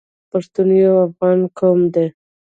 پښتون یو افغان قوم دی.